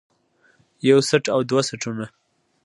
يو څټ او دوه څټونه